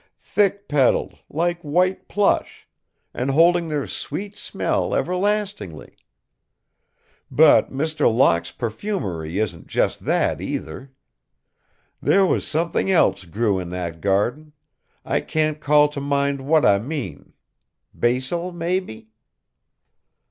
Thick petalled, like white plush, and holding their sweet smell everlastingly. But Mr. Locke's perfumery isn't just that, either. There was something else grew in that garden I can't call to mind what I mean. Basil, maybe?"